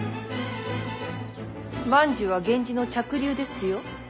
万寿は源氏の嫡流ですよ。